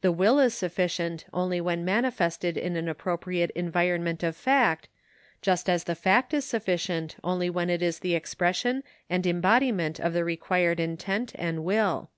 The will is sufficient only when manifested in an appropriate environment of fact, just as the fact is sufficient only when it is the expression and embodiment of the required intent and will.